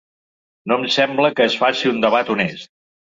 No em sembla que es faci un debat honest.